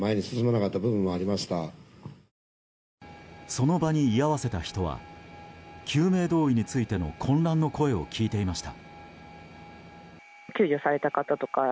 その場に居合わせた人は救命胴衣についての混乱の声を聞いていました。